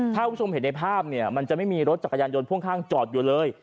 ถ้าคุณผู้ชมเห็นในภาพเนี่ยมันจะไม่มีรถจักรยานยนต์พ่วงข้างจอดอยู่เลย